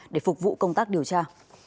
để phục vụ công tác điều tra